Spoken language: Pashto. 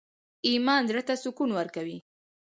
ایمان زړه ته سکون ورکوي؟